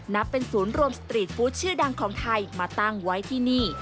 นับเป็นศูนย์รวมสตรีทฟู้ดชื่อดังของไทยมาตั้งไว้ที่นี่